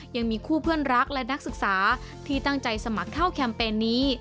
ยังมีคู่เพื่อนรักและนักศึกษาที่ตั้งใจสมัครเข้าแคมเปญนี้